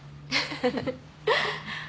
フフフ。